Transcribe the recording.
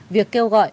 việc kêu gọi